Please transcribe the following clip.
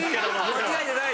間違えてない？